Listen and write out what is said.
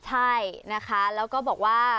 ใช่นะคะแล้วก็บอกว่า